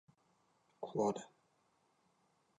Quod.